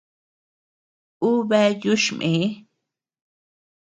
Uu bea yuchmee.